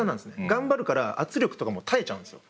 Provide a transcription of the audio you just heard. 頑張るから圧力とかも耐えちゃうんですよ。